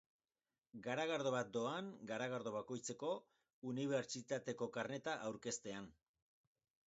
Garagardo bat doan, garagardo bakoitzeko, unibertsitateko karneta aurkeztean.